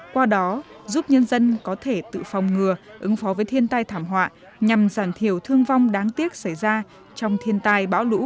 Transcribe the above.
qua đó giúp nhân dân có thể tự phòng ngừa ứng phó với thiên tai thảm họa nhằm giảm thiểu thương vong đáng tiếc xảy ra trong thiên tai bão lũ và bảo vệ sự sống